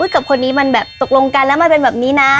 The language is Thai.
กับคนนี้มันถกรงกรรมันเป็นแบบนี้นะ